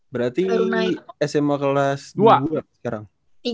berarti ini sma kelas dua sekarang